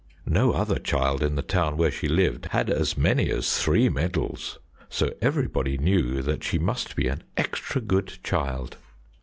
No other child in the town where she lived had as many as three medals, so everybody knew that she must be an extra good child."